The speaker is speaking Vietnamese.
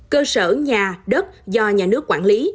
cơ sở nhà đất do nhà nước quản lý